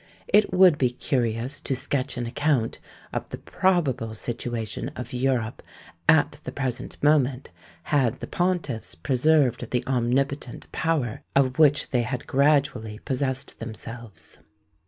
It would be curious to sketch an account of the probable situation of Europe at the present moment, had the pontiffs preserved the omnipotent power of which they had gradually possessed themselves.